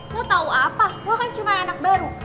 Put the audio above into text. lo tau apa lo kan cuma anak baru